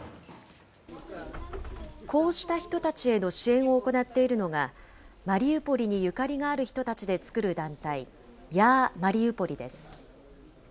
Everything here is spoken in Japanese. こうした人たちへの支援を行っているのが、マリウポリにゆかりがある人たちで作る団体、ヤー・マリウポリです。